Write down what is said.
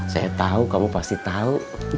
saya tau kamu pasti tau